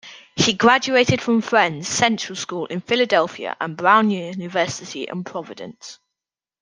He graduated from Friends' Central School in Philadelphia and Brown University in Providence.